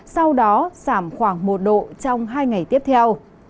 sau đó giảm khoảng một độ trong hai ngày tiếp theo